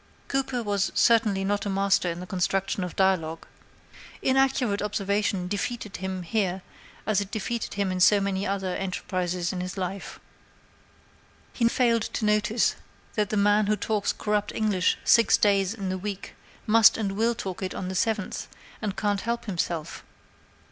Cooper was certainly not a master in the construction of dialogue. Inaccurate observation defeated him here as it defeated him in so many other enterprises of his. He even failed to notice that the man who talks corrupt English six days in the week must and will talk it on the seventh, and can't help himself.